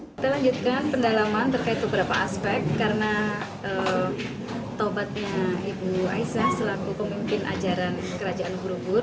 kita lanjutkan pendalaman terkait beberapa aspek karena taubatnya ibu aisyah selaku pemimpin ajaran kerajaan ubur ubur